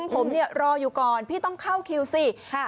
ผมเนี่ยรออยู่ก่อนพี่ต้องเข้าคิวสิ